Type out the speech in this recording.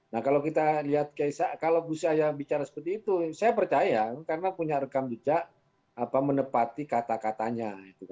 nah kalau kita lihat kalau gus yahya bicara seperti itu saya percaya karena punya rekam jejak menepati kata katanya